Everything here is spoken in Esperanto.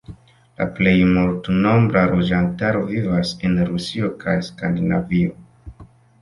La plej multnombra loĝantaro vivas en Rusio kaj Skandinavio.